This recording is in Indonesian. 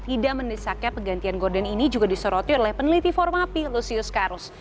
tidak mendesaknya penggantian horden ini juga diseruti oleh peneliti forum api lusius karus